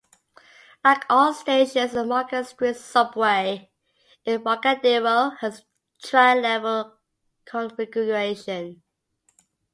Like all stations in the Market Street Subway, Embarcadero has a tri-level configuration.